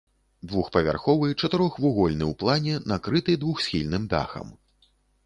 Двухпавярховы, чатырохвугольны ў плане, накрыты двухсхільным дахам.